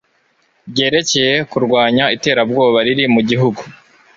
ryerekeye kurwanya iterabwoba riri mugihugu